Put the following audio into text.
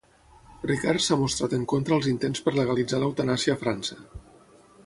Ricard s'ha mostrat en contra als intents per legalitzar l'eutanàsia a França.